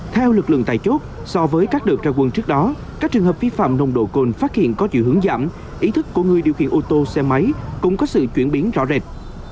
theo lực lượng tại chốt so với các đợt ra quân trước đó các trường hợp vi phạm nồng độ cồn phát hiện có chiều hướng giảm ý thức của người điều khiển ô tô xe máy cũng có sự chuyển biến rõ rệt